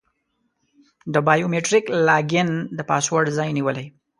د بایو میتریک لاګین د پاسورډ ځای نیولی.